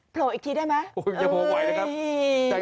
โผล่ออีกทีได้ไหม